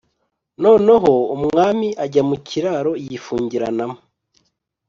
noneho umwami ajya mu kiraro yifungiranamo,